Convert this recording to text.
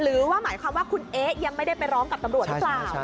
หรือว่าหมายความว่าคุณเอ๊ะยังไม่ได้ไปร้องกับตำรวจหรือเปล่า